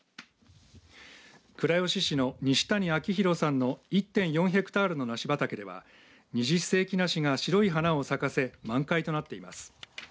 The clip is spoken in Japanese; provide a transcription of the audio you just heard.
倉吉市の西谷昭博さんの１．４ヘクタールの梨畑では二十世紀梨が白い花を咲かせ満開となっています。